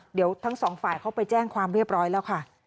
เดี๋ยวทั้งสองฝ่ายเขาไปแจ้งความเรียบร้อยแล้วค่ะ